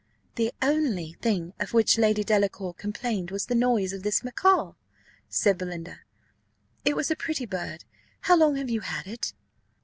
"The only thing of which Lady Delacour complained was the noise of this macaw," said Belinda; "it was a pretty bird how long have you had it?"